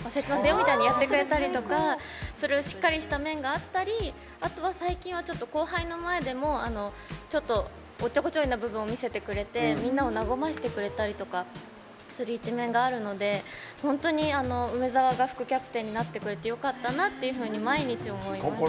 よってやってくれたりとかそういうしっかりした面があったりあとは、最近は後輩の前でもちょっと、おっちょこっちょいな部分を見せてくれてみんなを和ませてくれたりする一面があるので本当に梅澤が副キャプテンになってくれてよかったなって毎日思います。